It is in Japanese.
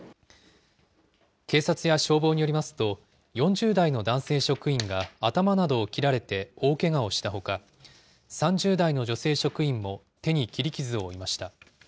警察や消防によりますと、４０代の男性職員が頭などを切られて大けがをしたほか、３０代の女性職員も手に切り傷を負いました。